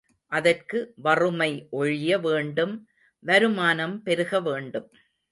அதற்கு வறுமை ஒழிய வேண்டும் வருமானம் பெருக வேண்டும்.